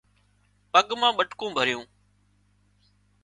پڳ مان ٻٽڪُون ڀريون